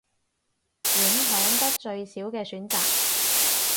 影響得最少嘅選擇